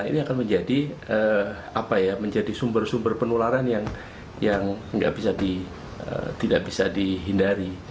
ini akan menjadi sumber sumber penularan yang tidak bisa dihindari